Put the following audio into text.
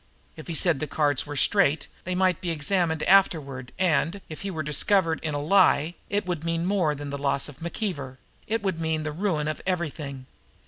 If he said the cards were straight they might be examined afterward; and, if he were discovered in a lie, it would mean more than the loss of McKeever it would mean the ruin of everything.